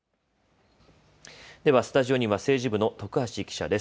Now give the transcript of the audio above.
ではスタジオには政治部の徳橋記者です。